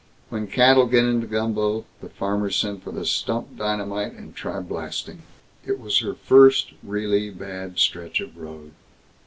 When cattle get into gumbo, the farmers send for the stump dynamite and try blasting. It was her first really bad stretch of road.